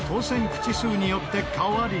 口数によって変わり